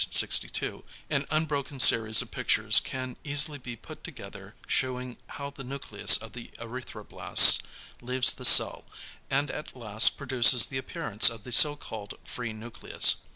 62), an unbroken series of pictures can easily be put together shewing how the nucleus of the erythroblast leaves the cell, and at last produces the appearance of the so called free nucleus.